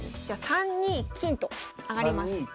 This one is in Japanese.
じゃあ３二金と上がります。